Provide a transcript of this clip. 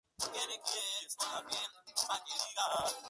Estuvo casado con la actriz Gertrude Auguste Emmy Barras.